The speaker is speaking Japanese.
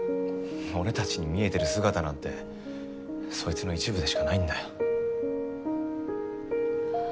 俺たちに見えてる姿なんてそいつの一部でしかないんだよ。